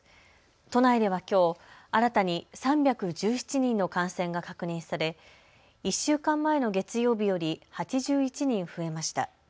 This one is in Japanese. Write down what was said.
都内ではきょう新たに３１７人の感染が確認され１週間前の月曜日より８１人増えました。